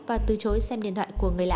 và từ chối xem điện thoại của người lạ